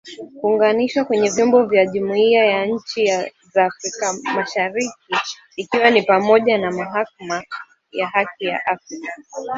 Kunganishwa kwenye vyombo vya jumuhiya za inchi za Afrika mashariki ikiwa ni pamoja na Mahakama ya Haki ya Afrika